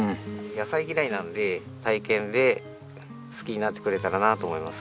野菜嫌いなんで体験で好きになってくれたらなと思います。